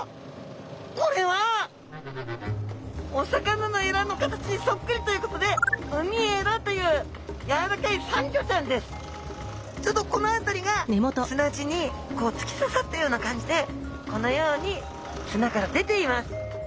これはお魚のエラの形にそっくりということでウミエラというちょうどこのあたりが砂地につきささったような感じでこのように砂から出ています！